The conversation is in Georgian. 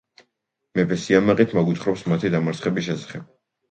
მეფე სიამაყით მოგვითხრობს მათი დამარცხების შესახებ.